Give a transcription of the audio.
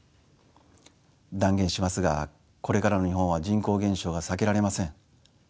断言しますがこれからの日本は人口減少が避けられません。